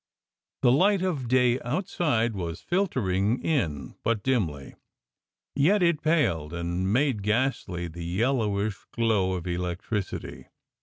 The light of day outside was filtering in but dimly, yet it paled and made ghastly the yellowish glow of electricity.